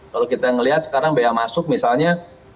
kalau kita lihat sekarang bayar masuk misalnya